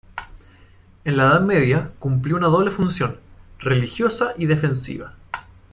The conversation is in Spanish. En la Edad Media, cumplió una doble función: religiosa y defensiva.